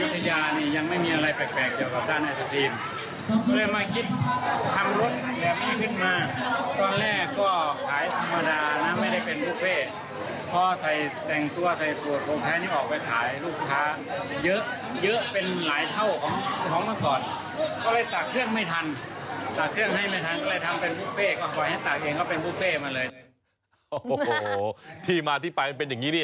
ระหว่างในจังหวัดอยุธยายังไม่มีอะไรแปลกเกี่ยวกับด้านไอศครีม